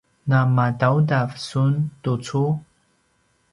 namadaudav sun tucu?